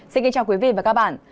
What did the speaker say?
xin kính chào quý vị và các bạn